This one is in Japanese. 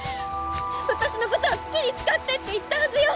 私のことは好きに使ってって言ったはずよ！